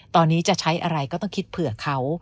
ตอนนี้จะใช้อะไรก็ต้องคิดเผื่อเขา